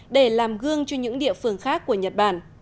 để làm gương cho những địa phương khác của nhật bản